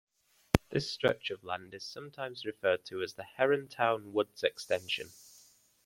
This stretch of land is sometimes referred to as the Herrontown Woods extension.